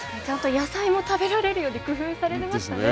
野菜も食べられるように工夫されてましたね。